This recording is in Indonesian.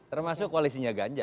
termasuk koalisinya ganja